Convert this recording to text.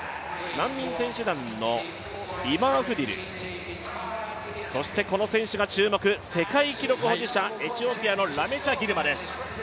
難民選手団のイバーフディル、そしてこの選手が注目、世界記録保持者、エチオピアのラメチャ・ギルマです。